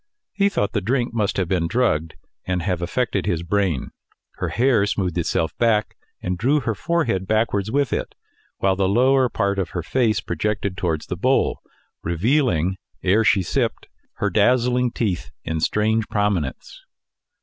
He thought the drink must have been drugged and have affected his brain. Her hair smoothed itself back, and drew her forehead backwards with it; while the lower part of her face projected towards the bowl, revealing, ere she sipped, her dazzling teeth in strange prominence.